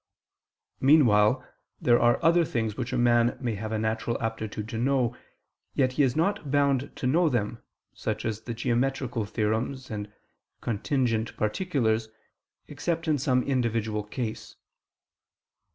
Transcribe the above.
Meanwhile there are other things which a man may have a natural aptitude to know, yet he is not bound to know them, such as the geometrical theorems, and contingent particulars, except in some individual case.